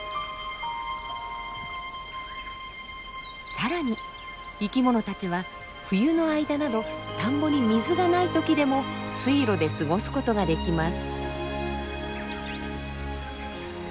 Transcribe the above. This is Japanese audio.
さらに生きものたちは冬の間など田んぼに水がない時でも水路で過ごす事ができます。